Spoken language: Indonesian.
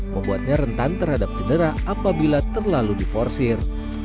membuatnya rentan terhadap cedera apabila terlalu diforsir